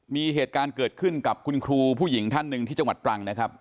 มีเหตุการณ์เกิดขึ้นกับคุณครูผู้หญิงท่านหนึ่งที่จังหวัดตรังนะครับ